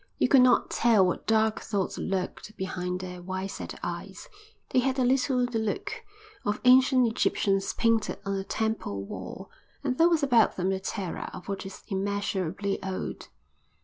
You could not tell what dark thoughts lurked behind their wide set eyes. They had a little the look of ancient Egyptians painted on a temple wall, and there was about them the terror of what is immeasurably old.